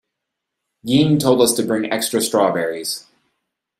Ying told us to bring extra strawberries.